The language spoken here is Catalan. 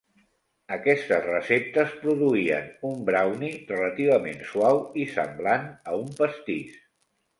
Aquestes receptes produïen un brownie relativament suau i semblant a un pastís.